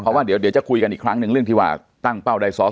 เพราะว่าเดี๋ยวจะคุยกันอีกครั้งหนึ่งเรื่องที่ว่าตั้งเป้าได้ซ้อม